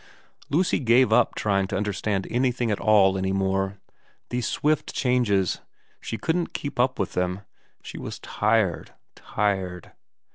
Lucy gave up trying to understand anything at all any more. These swift changes, she couldn't keep up with them ; she was tired, tired.